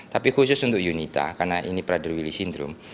tapi khusus untuk yunita karena ini prader willi sindrom